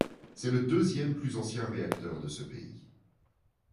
C'est le deuxième plus ancien réacteur de ce pays.